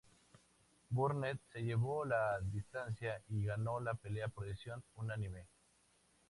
Burnett se llevó la distancia y ganó la pelea por decisión unánime.